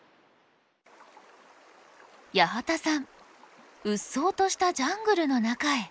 八幡さん鬱蒼としたジャングルの中へ。